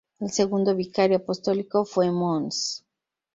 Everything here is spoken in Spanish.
El segundo Vicario Apostólico fue Mons.